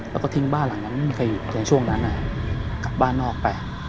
แล้วก็ทิ้งบ้านหลังนั้นไม่มีใครอยู่ในช่วงนั้นกลับบ้านนอกไป